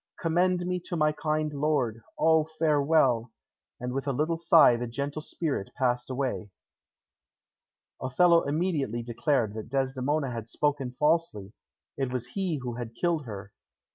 Commend me to my kind lord. O, farewell!" And with a little sigh the gentle spirit passed away. Othello immediately declared that Desdemona had spoken falsely; it was he who had killed her.